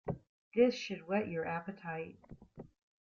This should whet your appetite.